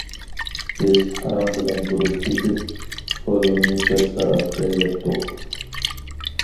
بىز پاراڭ بىلەن بولۇپ كېتىپ، پولۇنى بىر سائەتتە يەپتۇق.